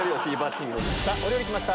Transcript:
お料理来ました